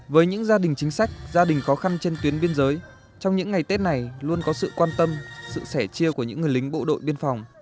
với những gia đình chính sách gia đình khó khăn trên tuyến biên giới trong những ngày tết này luôn có sự quan tâm sự sẻ chia của những người lính bộ đội biên phòng